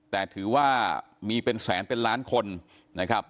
แต่ถือว่ามีเป็นแสนเป็นล้านคนนะครับ